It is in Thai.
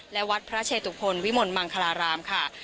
และวัดพระเชตุพลวิมลมังคลารามค่ะ